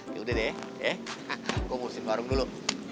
yaudah deh gue ngusip warung dulu